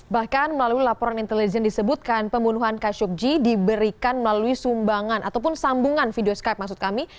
bahkan melalui laporan intelijen disebutkan pembunuhan khashoggi diberikan melalui sumbangan ataupun sambungan video skype maksud kami